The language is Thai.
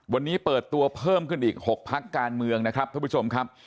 วันนี้เปิดตัวเพิ่มขึ้นอีก๖พักการเมืองนะครับท่านผู้ชมครับ